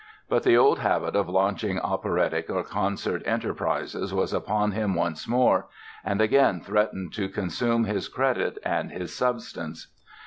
But the old habit of launching operatic or concert enterprises was upon him once more and again threatened to consume his credit and his substance.